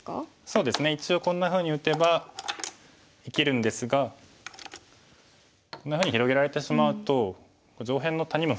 そうですね一応こんなふうに打てば生きるんですがこんなふうに広げられてしまうと上辺の谷も深くなりそうですよね。